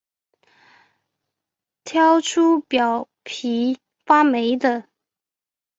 挑出表皮发霉的